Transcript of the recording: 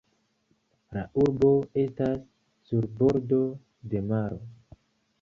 La urbo estas sur bordo de maro.